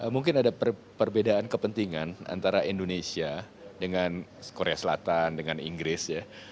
mungkin ada perbedaan kepentingan antara indonesia dengan korea selatan dengan inggris ya